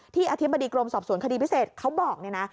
ที่อธิบดีกรมสอบสวนคดีพิเศษเขาบอกนะ